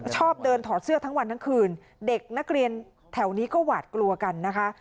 ชอบเดินถอดเสื้อทั้งวันทั้งคืนเด็กนักเรียนแถวนี้ก็หวาดกลัวกันนะคะ